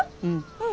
うん。